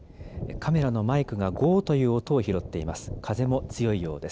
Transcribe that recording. カメラのマイクがゴーッという音を拾っています。